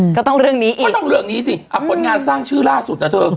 ก็ต้องเรื่องนี้อีกเรื่องนี้สิอ่ะผลงานสร้างชื่อล่าสุดนะเธอ